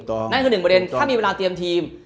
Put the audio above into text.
นั่นคือหนึ่งประเด็นถ้ามีเวลาเตรียมทีม